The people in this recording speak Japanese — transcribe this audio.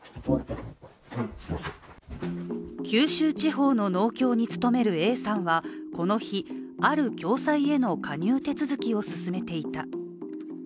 九州地方の農協に勤めるＡさんは、この日ある共済への加入手続きを進めていた。